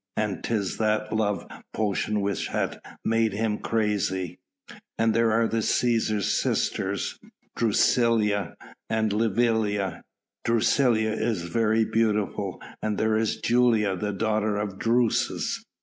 And 'tis that love potion which hath made him crazy." "And there are the Cæsar's sisters, Drusilla and Livilla. Drusilla is very beautiful." "And there is Julia, the daughter of Drusus.